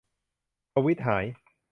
ทวีตหาย